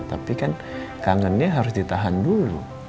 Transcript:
tapi kan kangennya harus ditahan dulu